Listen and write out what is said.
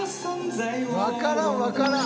わからんわからん。